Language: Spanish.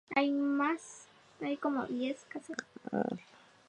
La torre se encuentra en estado ruinoso persistiendo sólo dos paños laterales.